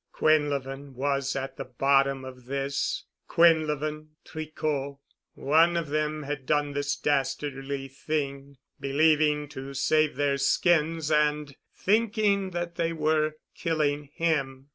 Quinlevin was at the bottom of this—Quinlevin—Tricot. One of them had done this dastardly thing, believing to save their skins and thinking that they were killing him.